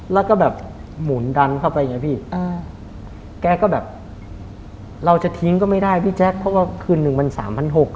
แล้วก็แบบหมุนดันเข้าไปไงพี่แกก็แบบเราจะทิ้งก็ไม่ได้พี่แจ๊คเพราะว่าคืนหนึ่งมันสามพันหก